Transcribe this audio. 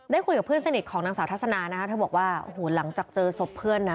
ได้คุยกับเพื่อนสนิทของหัวหนังสาวทัศนาถ้าบอกว่าหูหลังจากเจอสบเพื่อนนะ